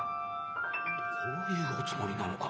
どういうおつもりなのか？